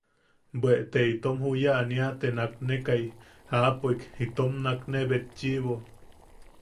Bwe te itom juya ania te naknekai aapoik itom nakne betchiʼibo.